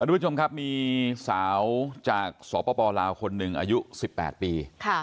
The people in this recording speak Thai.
สวัสดีผู้ชมครับมีสาวจากสปลาวคนอายุ๑๘ปี